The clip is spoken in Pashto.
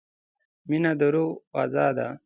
• مینه د روح غذا ده.